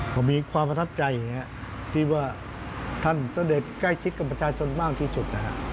ก็มีความประทับใจที่ว่าท่านเสด็จใกล้ชิดกับประชาชนมากที่สุดนะฮะ